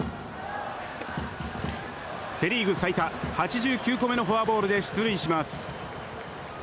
セ・リーグ最多、８９個目のフォアボールで出塁します。